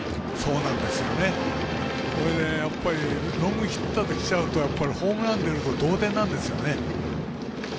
ロングヒットきちゃうとホームラン出ると同点なんですよね。